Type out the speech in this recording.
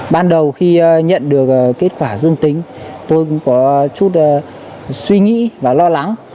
ban đầu khi nhận được kết quả dương tính tôi cũng có chút suy nghĩ và lo lắng